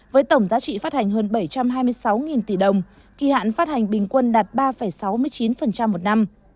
với tổng giá trị phát hành hơn bảy trăm hai mươi sáu tỷ đồng kỳ hạn phát hành bình quân đạt ba sáu mươi chín một năm